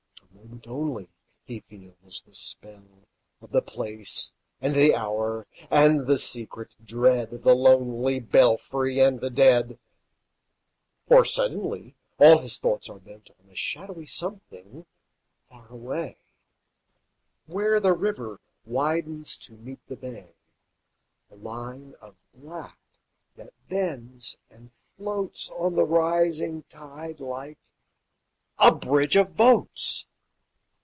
A moment only he feels the spell Of the place and the hour, and the secret dread Of the lonely belfry and the dead; For suddenly all his thoughts are bent On a shadowy something far away, Where the river widens to meet the bay, A line of black that bends and floats On the rising tide, like a bridge of boats.